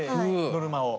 ノルマを。